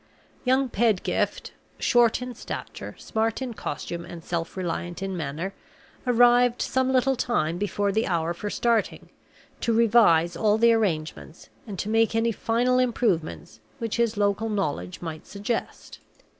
Young Pedgift (short in stature, smart in costume, and self reliant in manner) arrived some little time before the hour for starting, to revise all the arrangements, and to make any final improvements which his local knowledge might suggest.